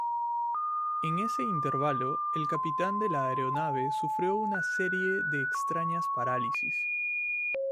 En ese intervalo, el capitán de la aeronave sufrió una serie de extrañas parálisis.